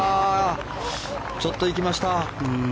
ちょっと行きました。